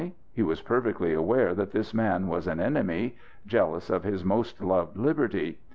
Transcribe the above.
He was perfectly aware that this man was an enemy, jealous of his most loved liberty.